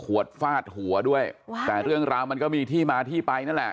ฟาดหัวด้วยแต่เรื่องราวมันก็มีที่มาที่ไปนั่นแหละ